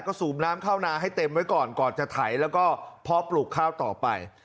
ก็สูบน้ำเข้านาให้เต็มไว้ก่อนก่อนจะไถแล้วก็เพาะปลูกข้าวต่อไป